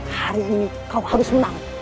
hari ini kau harus menang